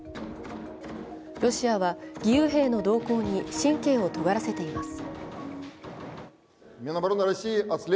ロシアは義勇兵の動向に神経をとがらせています。